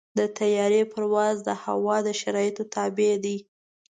د طیارې پرواز د هوا د شرایطو تابع دی.